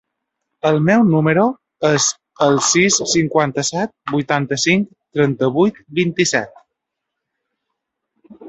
El meu número es el sis, cinquanta-set, vuitanta-cinc, trenta-vuit, vint-i-set.